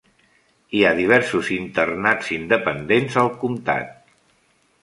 Hi ha diversos internats independents al comtat.